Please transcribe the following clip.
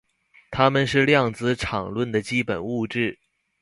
它们是量子场论的基本物质。